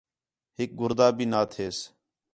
ہِک گُردا بھی نا تھیس